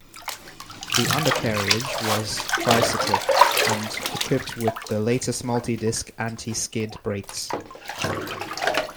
The undercarriage was tricycle, and equipped with the latest multi-disc, anti-skid brakes.